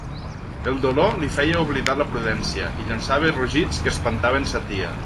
El dolor li feia oblidar la prudència, i llançava rugits que espantaven sa tia.